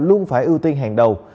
luôn phải ưu tiên hàng đầu